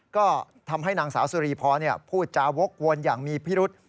ก็ทำให้นางสาวสุรีพรพูดจาวกวนอย่างมีพิรุษ